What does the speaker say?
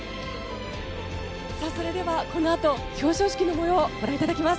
それでは、このあと表彰式の模様ご覧いただきます。